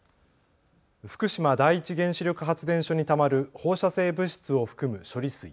福島第一原子力発電所にたまる放射性物質を含む処理水。